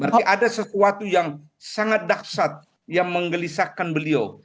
berarti ada sesuatu yang sangat dahsyat yang menggelisahkan beliau